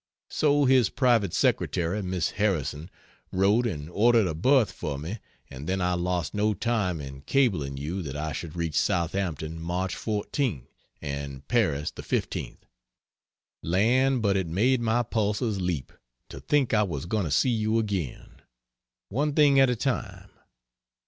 So his private secretary, Miss Harrison, wrote and ordered a berth for me and then I lost no time in cabling you that I should reach Southampton March 14, and Paris the 15th. Land, but it made my pulses leap, to think I was going to see you again!... One thing at a time.